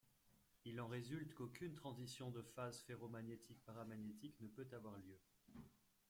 Il en résulte qu'aucun transition de phase ferromagnétique-paramagnétique ne peut avoir lieu.